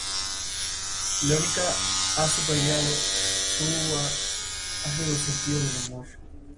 La crítica ha subrayado su ácido sentido del humor.